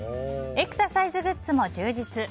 エクササイズグッズも充実。